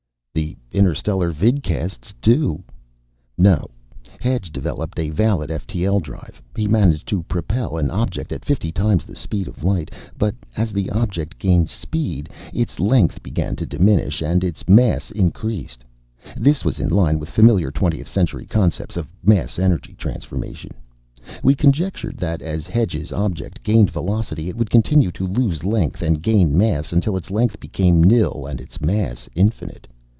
"The interstellar vidcasts do! No, Hedge developed a valid ftl drive. He managed to propel an object at fifty times the speed of light. But as the object gained speed, its length began to diminish and its mass increased. This was in line with familiar twentieth century concepts of mass energy transformation. We conjectured that as Hedge's object gained velocity it would continue to lose length and gain mass until its length became nil and its mass infinite.